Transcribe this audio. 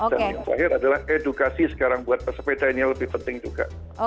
dan yang terakhir adalah edukasi sekarang buat pesepeda ini yang lebih penting juga